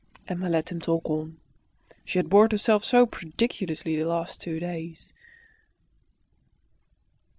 Emma let him talk on. She had bored herself so prodigiously the last two days.